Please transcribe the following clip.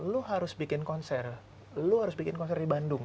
lu harus bikin konser lu harus bikin konser di bandung